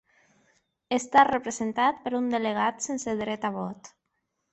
Està representat per un delegat sense dret a vot.